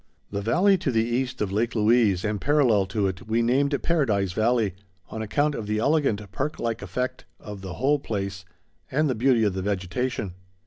_ The valley to the east of Lake Louise and parallel to it, we named Paradise Valley, on account of the elegant park like effect of the whole place and the beauty of the vegetation.